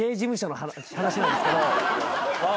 ああ。